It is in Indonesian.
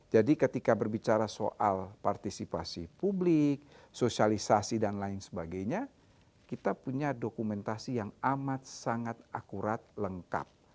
jadi ketika berbicara soal partisipasi publik sosialisasi dan lain sebagainya kita punya dokumentasi yang amat sangat akurat lengkap